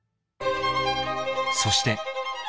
［そして］